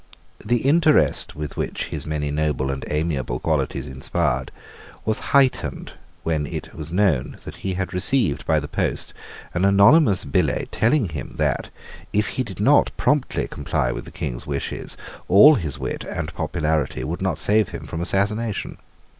The interest which his many noble and amiable qualities inspired was heightened when it was known that he had received by the post an anonymous billet telling him that, if he did not promptly comply with the King's wishes, all his wit and popularity should not save him from assassination.